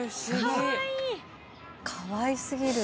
かわいすぎる。